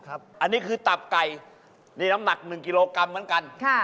อันนี้คือตับไก่นี่น้ำหนัก๑กิโลกรัมเหมือนกัน